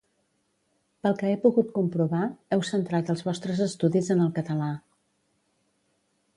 Pel que he pogut comprovar, heu centrat els vostres estudis en el català